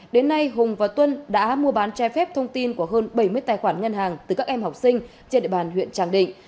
đến nay hùng và tuân đã mua bán trái phép thông tin của hơn bảy mươi tài khoản ngân hàng từ các em học sinh trên địa bàn huyện tràng định